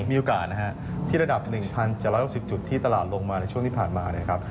มีโอกาสที่ระดับ๑๗๖๐จุดที่ตลาดลงมาในช่วงที่ผ่านมา